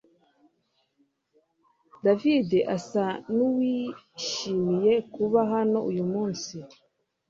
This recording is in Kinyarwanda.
David asa nkuwishimiye kuba hano uyu munsi